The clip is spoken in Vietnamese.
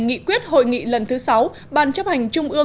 nghị quyết hội nghị lần thứ sáu